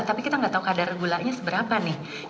tapi kita nggak tahu kadar gulanya seberapa nih